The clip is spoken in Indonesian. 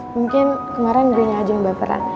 mungkin kemarin gue nyanyi aja yang baperan